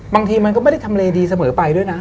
บางทีมันก็ไม่ได้ทำเลดีเสมอไปด้วยนะ